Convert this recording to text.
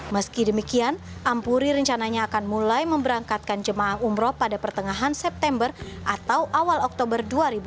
meski demikian ampuri rencananya akan mulai memberangkatkan jemaah umroh pada pertengahan september atau awal oktober dua ribu dua puluh